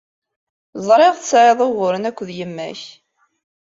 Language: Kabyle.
Ẓriɣ tesɛiḍ uguren akked yemma-k.